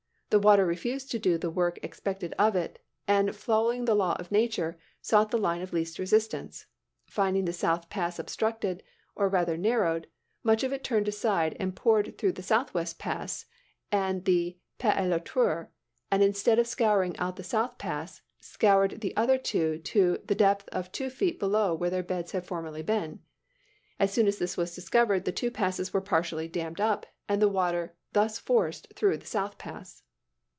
The water refused to do the work expected of it, and following the law of nature, sought the line of least resistance. Finding the South Pass obstructed, or rather narrowed, much of it turned aside and poured through the Southwest Pass and the Pas a l'Outre, and instead of scouring out the South Pass, scoured the other two to the depth of two feet below where their beds had formerly been. As soon as this was discovered, the two passes were partially dammed up, and the water thus forced through the South Pass.